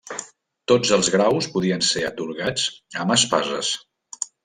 Tots els graus podien ser atorgats amb Espases.